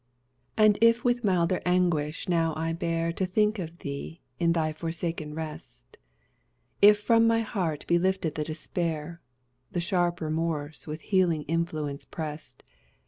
"And if with milder anguish now I bear To think of thee in thy forsaken rest; If from my heart be lifted the despair, The sharp remorse with healing influence pressed.